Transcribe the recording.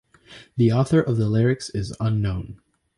The author of the lyrics is unknown.